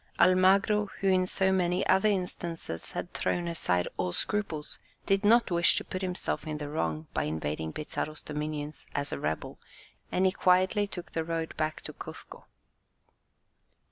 Almagro, who in so many other instances had thrown aside all scruples, did not wish to put himself in the wrong by invading Pizarro's dominions as a rebel, and he quietly took the road back to Cuzco.